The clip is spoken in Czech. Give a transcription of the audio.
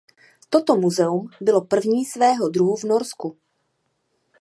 Toto muzeum bylo prvním svého druhu v Norsku.